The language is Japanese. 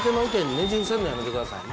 ねじ伏せるのやめてくださいね。